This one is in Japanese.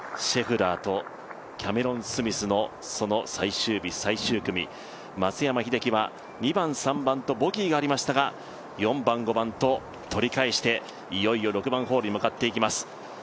シェフラーとキャメロン・スミスの最終日最終組、松山英樹は２番、３番とボギーがありましたが４番、５番と取り返していよいよ６番ホールに向かっていきます。